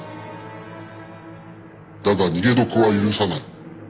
だが逃げ得は許さない。